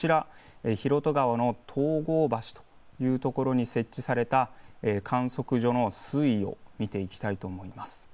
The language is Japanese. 広渡川の東郷橋というところに設置された観測所の水位を見ていきたいと思います。